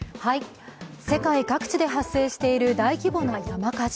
世界各地で発生している大規模な山火事。